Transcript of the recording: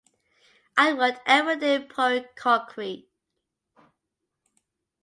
I worked every day pouring concrete.